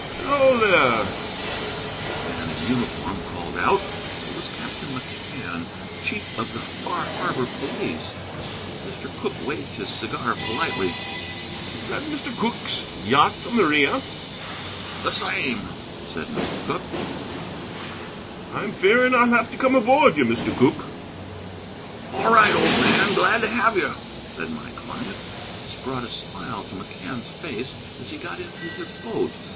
"Hello, there!" the man in uniform called out. It was Captain McCann, chief of the Far Harbor police. Mr. Cooke waved his cigar politely. "Is that Mr. Cooke's yacht, the Maria? "The same," said Mr. Cooke. "I'm fearing I'll have to come aboard you, Mr. Cooke." "All right, old man, glad to have you," said my client. This brought a smile to McCann's face as he got into his boat.